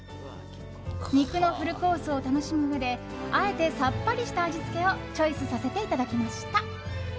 肉のフルコースを楽しむうえであえて、さっぱりした味付けをチョイスさせていただきました。